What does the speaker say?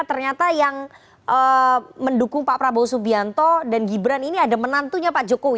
ternyata yang mendukung pak prabowo subianto dan gibran ini ada menantunya pak jokowi